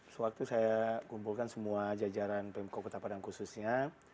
sewaktu saya kumpulkan semua jajaran pemko kota padang khususnya